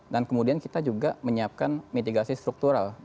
dan kemudian kita juga menyiapkan mitigasi struktural